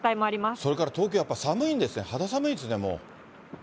それから東京は寒いんですね、肌寒いんですね、もう。